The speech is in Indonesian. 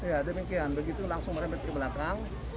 ya demikian begitu langsung merembet ke belakang